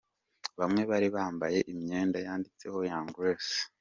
bamwe bari bambaye imyenda yanditseho Young Grace.